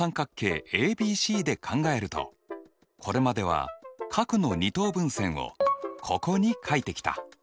ＡＢＣで考えるとこれまでは角の二等分線をここに書いてきた。